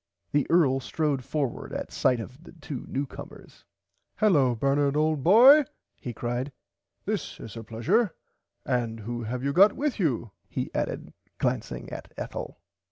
The earl strode forward at sight of two new comers. Hullo Bernard old boy he cried this is a pleasure and who have you got with you he added glancing at Ethel.